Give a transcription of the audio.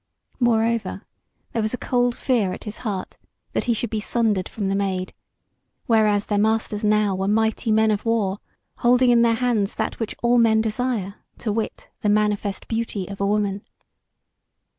Moreover there was a cold fear at his heart that he should be sundered from the Maid, whereas their masters now were mighty men of war, holding in their hands that which all men desire, to wit, the manifest beauty of a woman.